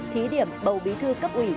thí điểm bầu bí thư cấp ủy